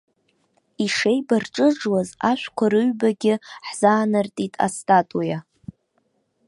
Ишеибарҿыжуаз ашәқәа рыҩбагьы ҳзаанартит астатуиа.